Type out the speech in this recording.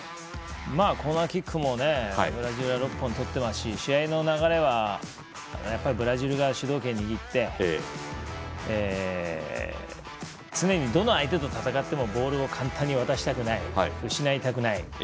コーナーキックもブラジルは６本とっていますし試合の流れはやっぱりブラジルが主導権を握り常にどの相手と戦ってもボールを簡単に渡したくない、失いたくない。